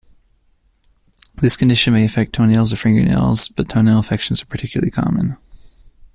This condition may affect toenails or fingernails, but toenail infections are particularly common.